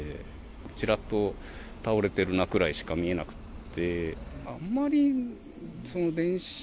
ちらっと倒れてるなくらいしか見えなくって。